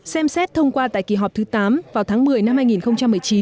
xem xét thông qua tại kỳ họp thứ tám vào tháng một mươi năm hai nghìn một mươi chín